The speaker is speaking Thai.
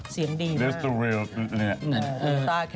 เสียงดีมาก